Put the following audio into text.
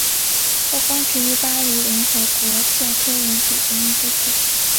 后供职于巴黎联合国教科文组织秘书处。